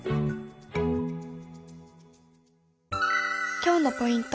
今日のポイント